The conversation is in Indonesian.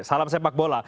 salam sepak bola